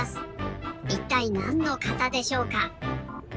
いったいなんの型でしょうか？